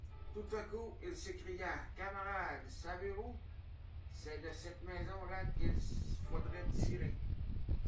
Tout à coup il s'écria : Camarades, savez-vous ? c'est de cette maison-là qu'il faudrait tirer.